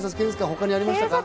他にありますか？